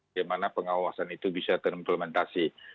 bagaimana pengawasan itu bisa terimplementasi